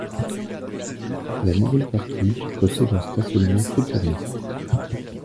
La nouvelle partie possède un stationnement souterrain.